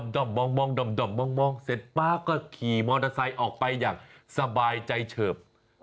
มองด่อมมองเสร็จป๊าก็ขี่มอเตอร์ไซค์ออกไปอย่างสบายใจเฉิบ